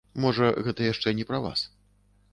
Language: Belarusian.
Можа, гэта яшчэ не пра вас.